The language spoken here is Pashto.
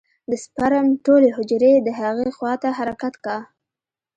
د سپرم ټولې حجرې د هغې خوا ته حرکت کا.